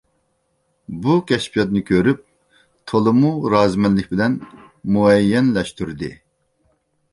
بۇ كەشپىياتنى كۆرۈپ تولىمۇ رازىمەنلىك بىلەن مۇئەييەنلەشتۈردى.